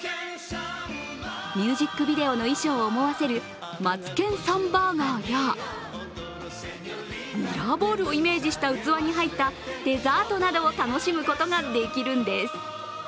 ミュージックビデオの衣装を思わせるマツケンサンバーガーやミラーボールをイメージした器に入ったデザートなどを楽しむことができるんです。